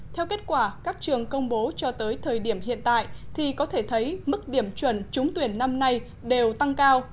theo kết quả các trường công bố cho tới thời điểm hiện tại thì có thể thấy mức điểm chuẩn trúng tuyển năm nay đều tăng cao